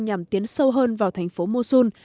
nhằm tiến sâu hơn vào thành phố mosul